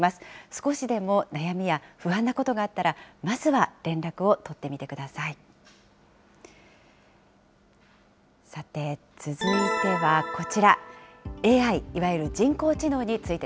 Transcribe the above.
少しでも悩みや不安なことがあったら、まずは連絡を取ってみてください。